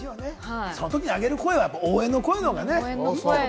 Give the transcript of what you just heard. そのときに挙げる声は応援の声がね。